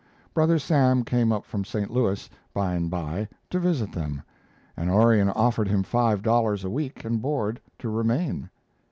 Brother Sam came up from St. Louis, by and by, to visit them, and Orion offered him five dollars a week and board to remain.